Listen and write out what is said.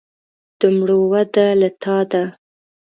د مړو وده له تا ده.